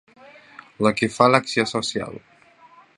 La que fa l’acció social.